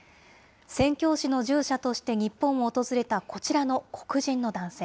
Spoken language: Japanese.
宣教師の従者として日本を訪れたこちらの黒人の男性。